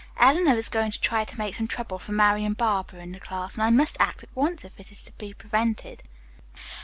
Eleanor is going to try to make some trouble for Marian Barber in the class, and I must act at once if it is to be prevented."